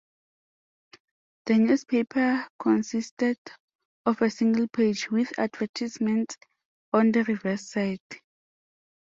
The newspaper consisted of a single page, with advertisements on the reverse side.